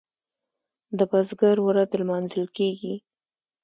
د بزګر ورځ لمانځل کیږي.